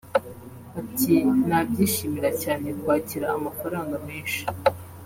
Ati "Nabyishimira cyane kwakira amafaranga menshi